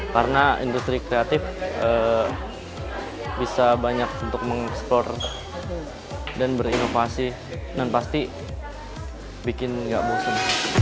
karena industri kreatif bisa banyak untuk mengeksplor dan berinovasi dan pasti bikin nggak bosan